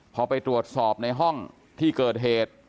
พอไปตรวจสอบในห้องที่เกิดเหตุ